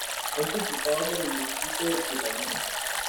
Es Diputado por el distrito de Killarney.